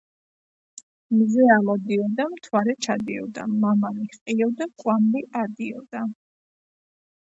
მზე ამოდიოდა მთვარე ჩადიოდა მამალი ჰყიოდა კვამლი ადიოდა